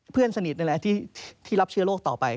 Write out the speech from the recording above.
เพื่อนสนิทนี่แหละที่รับเชื้อโรคต่อไป